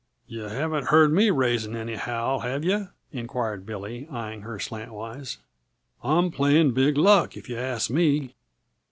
"Yuh haven't heard me raising any howl, have yuh?" inquired Billy, eying her slantwise. "I'm playing big luck, if yuh ask me."